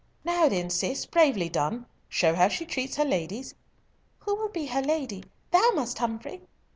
"Now then, Cis, bravely done! Show how she treats her ladies—" "Who will be her lady? Thou must, Humfrey!"